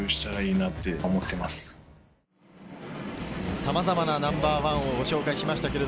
さまざまなナンバーワンをご紹介しました。